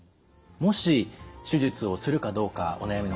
もし手術をするかどうかお悩みの方